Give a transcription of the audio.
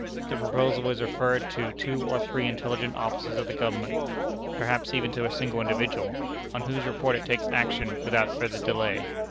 The proposal is referred to two or three intelligent officers of the Government perhaps even to a single individual on whose report it takes action without further delay.